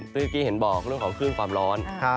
เมื่อกี้เห็นบอกเรื่องของคลื่นความร้อน